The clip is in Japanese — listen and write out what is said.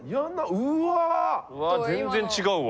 うわ全然違うわ。